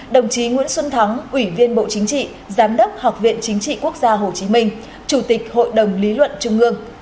đồng chí nguyễn xuân thắng ủy viên bộ chính trị giám đốc học viện chính trị quốc gia hồ chí minh chủ tịch hội đồng lý luận trung ương